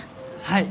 はい。